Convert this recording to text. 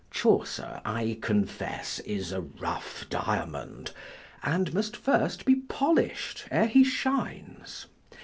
Chaucer, I confess, is a rough diamond, and must first be polish'd, ere he shines.